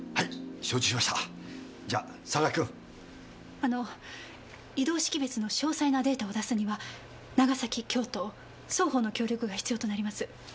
あの異同識別の詳細なデータを出すには長崎京都双方の協力が必要となります。